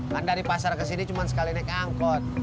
kan dari pasar ke sini cuma sekali naik angkot